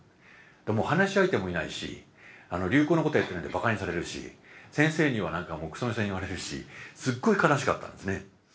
もう話し相手もいないし流行のことやってないとばかにされるし先生にはもうクソミソに言われるしすっごい悲しかったんですね。